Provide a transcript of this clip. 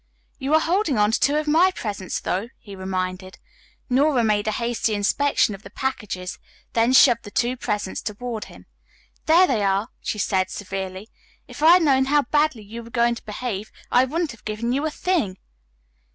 "You are holding on to two of my presents, though," he reminded. Nora made a hasty inspection of the packages, then shoved the two presents toward him. "There they are," she said severely. "If I had known how badly you were going to behave, I wouldn't have given you a thing."